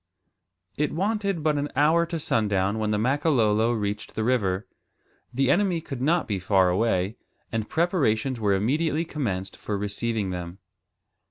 It wanted but an hour to sundown when the Makololo reached the river. The enemy could not be far away, and preparations were immediately commenced for receiving them.